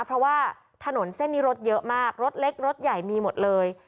เพราะว่าถนนเส้นนี้รถเยอะมากรถเล็กรถใหญ่มีหมดเลย